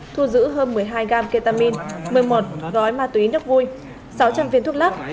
thu giữ hơn một mươi hai gam ketamine một mươi một gói ma túy nước vui sáu trăm linh viên thuốc lắc